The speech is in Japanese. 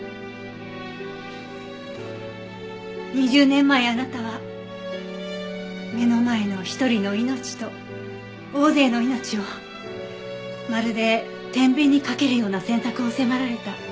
２０年前あなたは目の前の一人の命と大勢の命をまるで天秤にかけるような選択を迫られた。